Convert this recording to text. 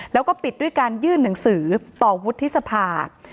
แล้วก็ปิดด้วยการยื่นหนังสือต่อวุฒิสภา